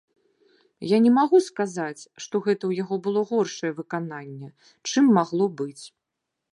Я не магу сказаць, што гэта ў яго было горшае выкананне, чым магло быць.